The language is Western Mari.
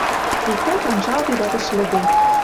Иктӓт анжалде дӓ тӹшлӹде